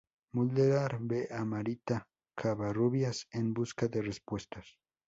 Mulder ve a Marita Covarrubias en busca de respuestas.